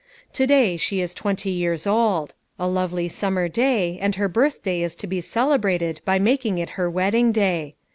To day she is twenty years old, A lovely summer day, and her birthday is to be celebrated by making it her wedding day.